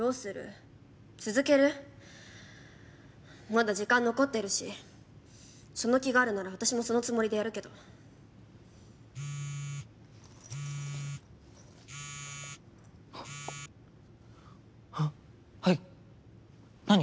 まだ時間残ってるしその気があるなら私もそのつもりでやるけど・あっはい何？